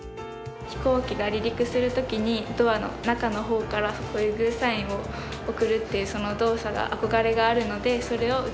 飛行機が離陸する時にドアの中の方からこういうグーサインを送るっていうその動作が憧れがあるのでそれを歌にしました。